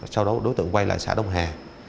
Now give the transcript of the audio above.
sau đó đối tượng quay lại xã đông hà